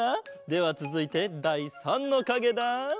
ではつづいてだい３のかげだ。